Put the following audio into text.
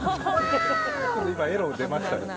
今、エロが出ましたね。